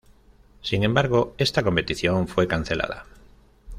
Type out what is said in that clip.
Sin embargo, esta competición fue cancelada.